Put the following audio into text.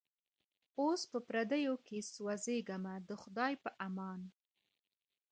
اوس په پردیو کي سوځېږمه د خدای په امان